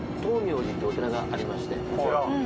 お寺がありまして。